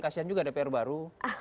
kasian juga dpr baru